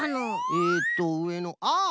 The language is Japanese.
えっとうえのああああ！